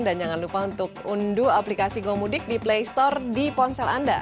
dan jangan lupa untuk unduh aplikasi gomudik di play store di ponsel anda